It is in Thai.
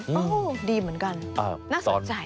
โอ้โหดีเหมือนกันน่าสนใจ